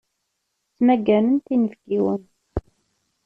Ttmagarent inebgiwen.